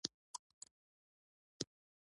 د موټر بیمه تاوان کموي.